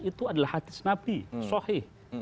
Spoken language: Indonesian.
itu adalah hadis nabi sohih